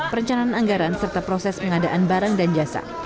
perencanaan anggaran serta proses pengadaan barang dan jasa